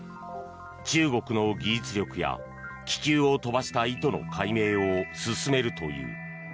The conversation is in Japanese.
中国の技術力や気球を飛ばした意図の解明を進めるという。